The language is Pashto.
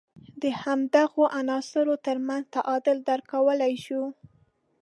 د همدغو عناصر تر منځ تعامل درک کولای شو.